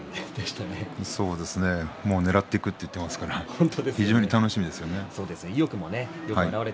ねらっていくと言っていましたから非常に楽しみですね。